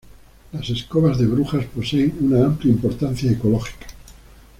Las escobas de brujas poseen una amplia importancia ecológica.